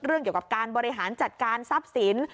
เกี่ยวกับการบริหารจัดการทรัพย์สิน